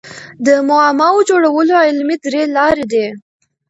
د معماوو جوړولو علمي درې لاري دي.